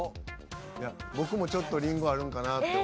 いや僕もちょっとリンゴあるんかなって。